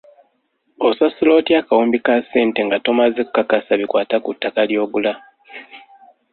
Osasula otya akawumbi ka ssente nga tomaze kukakasa bikwata ku ttaka ly'ogula?